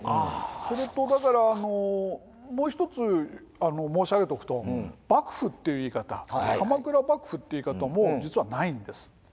それとだからもう一つ申し上げておくと幕府っていう言い方鎌倉幕府っていう言い方も実はないんです。